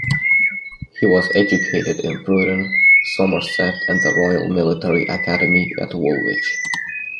He was educated in Bruton, Somerset and the Royal Military Academy at Woolwich.